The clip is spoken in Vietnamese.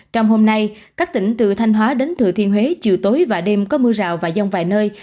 trong hôm nay các tỉnh từ thanh hóa đến thừa thiên huế chiều tối và đêm có mưa rào và dông vài nơi